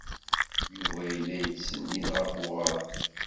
Yuba yella yettsennid ɣer weɣrab.